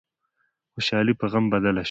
خوشحالي په غم بدله شوه.